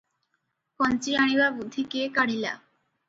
କଞ୍ଚି ଆଣିବା ବୁଦ୍ଧି କିଏ କାଢ଼ିଲା?